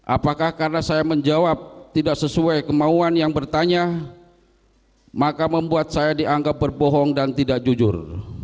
apakah karena saya menjawab tidak sesuai kemauan yang bertanya maka membuat saya dianggap berbohong dan tidak jujur